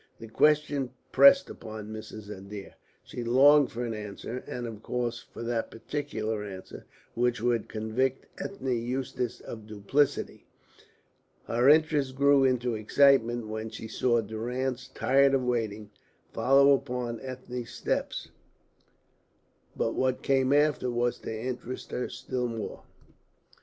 The question pressed upon Mrs. Adair. She longed for an answer, and of course for that particular answer which would convict Ethne Eustace of duplicity. Her interest grew into an excitement when she saw Durrance, tired of waiting, follow upon Ethne's steps. But what came after was to interest her still more.